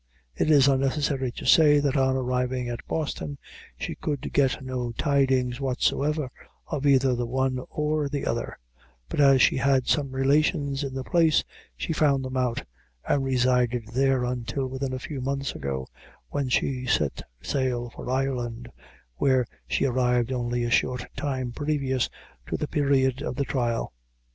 It is unnecessary to say, that on arriving at Boston she could get no tidings whatsoever of either the one or the other; but as she had some relations in the place, she found them out, and resided there until within a few months ago, when she set sail for Ireland, where she arrived only a short time previous to the period of the trial.